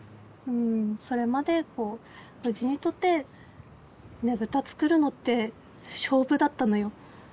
それまでうちにとってねぶた作るのって勝負だったのよ